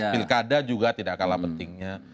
pilkada juga tidak kalah pentingnya